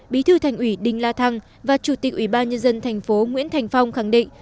bí thư thành ủy đinh la thăng và chủ tịch ủy ban nhân dân thành phố nguyễn thành phong khẳng định